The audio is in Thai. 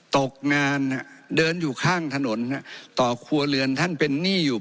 ตกงานเดินอยู่ข้างถนนต่อครัวเรือนท่านเป็นหนี้อยู่